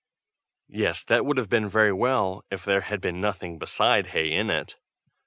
Yes, that would have been very well, if there had been nothing beside hay in it.